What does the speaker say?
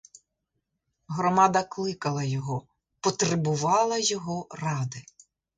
Громада кликала його, потребувала його ради.